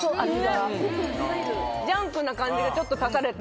ジャンクな感じがちょっと足されて。